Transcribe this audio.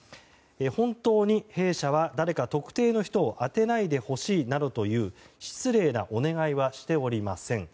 本当に弊社は誰か特定の人を当てないでほしいなどという失礼なお願いはしておりません。